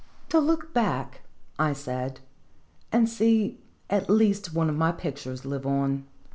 " To look back," I said, "and see at least one of my pictures live on.